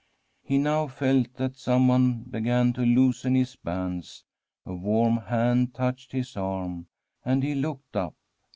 He now felt that someone began to loosen his bands; a warm hand touched his arm, and he looked up.